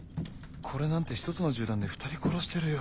これなんて１つの銃弾で２人殺してるよ。